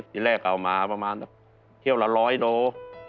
ที่แรกเอามาประมาณเที่ยวละ๑๐๐โล